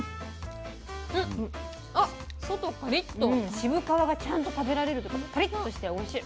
渋皮がちゃんと食べられるというかパリッとしておいしい。